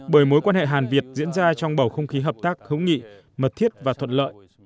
bởi mối quan hệ hàn việt diễn ra trong bầu không khí hợp tác hữu nghị mật thiết và thuận lợi